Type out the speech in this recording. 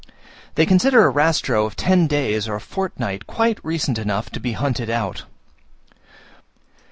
They consider a rastro of ten days or a fortnight, quite recent enough to be hunted out.